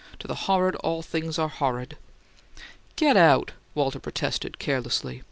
"To the horrid all things are horrid." "Get out!" Walter protested, carelessly.